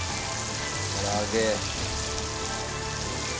から揚げ。